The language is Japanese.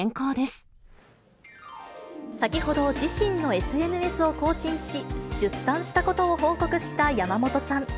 先ほど、自身のＳＮＳを更新し、出産したことを報告した山本さん。